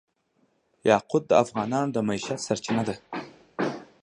یاقوت د افغانانو د معیشت سرچینه ده.